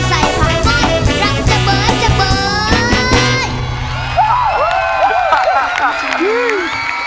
ใส่ผักหม้อยรักเจ้าเบิร์ดเจ้าเบิร์ด